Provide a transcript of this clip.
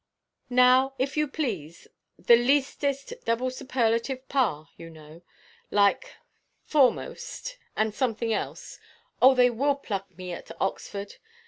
"Now, if you please, the leastest—double superlative, pa, you know, like πρώτιστος, and something else—oh, they will pluck me at Oxford!